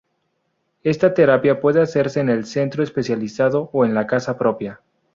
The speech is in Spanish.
Esta terapia puede hacerse en el centro especializado o en la propia casa.